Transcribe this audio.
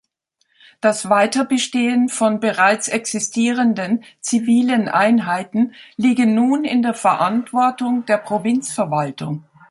Das Weiterbestehen von bereits existierenden zivilen Einheiten liege nun in der Verantwortung der Provinzverwaltung.